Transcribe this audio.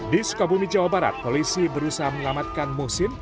di sukabumi jawa barat polisi berusaha menyelamatkan musin